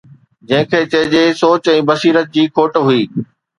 جنهن کي چئجي سوچ ۽ بصيرت جي کوٽ هئي.